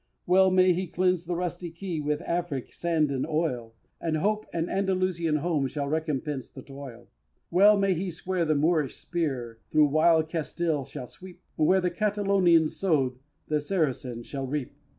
Well may he cleanse the rusty Key With Afric sand and oil, And hope an Andalusian home Shall recompense the toil! Well may he swear the Moorish spear Through wild Castile shall sweep, And where the Catalonian sowed The Saracen shall reap!